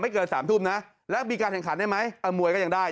ไม่เกินสามทุ่มนะแล้วมีการแห่งขันได้ไหมเอ่อมวยก็ยังได้